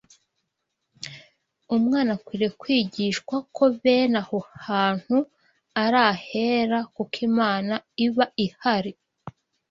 umwana akwiriye kwigishwa ko bene aho hantu ari ahera kuko Imana iba ihari